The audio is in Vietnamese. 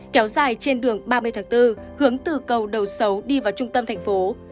kéo dài trên đường ba mươi tháng bốn hướng từ cầu đầu xấu đi vào trung tâm thành phố